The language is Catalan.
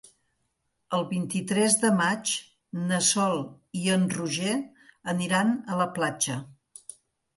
El vint-i-tres de maig na Sol i en Roger aniran a la platja.